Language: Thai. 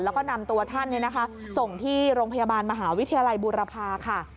แล้วก็นำตัวท่านส่งที่โรงพยาบาลมหาวิทยาลัยบูรพาค่ะ